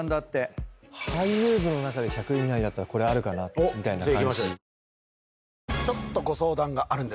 俳優部の中で１００位以内だったらこれあるかなみたいな感じ。